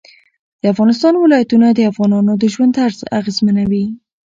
د افغانستان ولايتونه د افغانانو د ژوند طرز اغېزمنوي.